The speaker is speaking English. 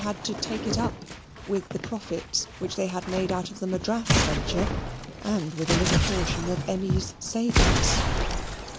had to take it up, with the profits which they had made out of the Madras venture, and with a little portion of Emmy's savings.